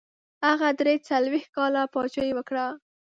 هغه دري څلوېښت کاله پاچهي وکړه.